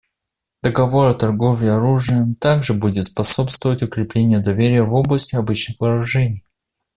Договор о торговле оружием также будет способствовать укреплению доверия в области обычных вооружений.